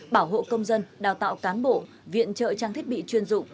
bảo hộ công dân đào tạo cán bộ viện trợ trang thiết bị chuyên dụng